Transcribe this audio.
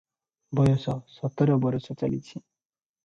ବୟସ ସତର ବରଷ ଚାଲିଛି ।